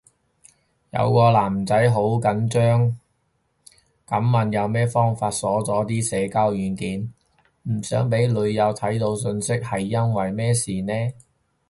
有個男仔好緊張噉問有咩方法鎖咗啲通訊軟件，唔想俾女友睇到訊息，係因為咩事呢？